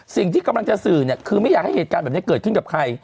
สิ่งที่กำลังจะสื่อเนี่ยคือไม่อยากให้เหตุการณ์แบบนี้เกิดขึ้นกับใคร